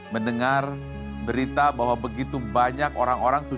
mendengar berita bahwa begitu banyak orang orang